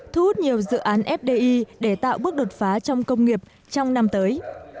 thu hút nhiều dự án fdi để tạo bước đột phá trong công nghiệp trong năm tới